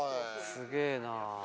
すげえな。